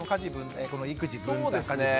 この育児分担家事分担。